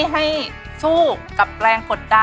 บอกเขาเลยค่ะ